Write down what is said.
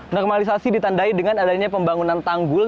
normalisasi ditandai dengan adanya pembangunan tanggul